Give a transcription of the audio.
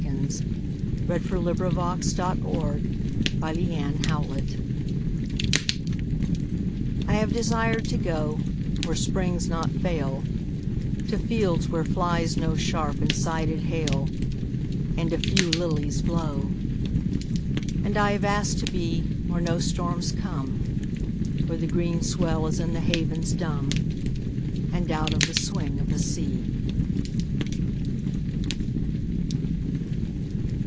5* 4? 116 R. A! HOPWOOD I HAVE DESIRED TO GO I HAVE desired to go Where springs not fail, To fields where flies no sharp and sided hail, And a few lilies blow. And I have asked to be Where no storms come, Where the green swell is in the havens dumb, And out of the swing of the sea.